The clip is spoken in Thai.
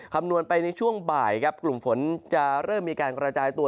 คำนวณไปในช่วงบ่ายครับกลุ่มฝนจะเริ่มมีการกระจายตัว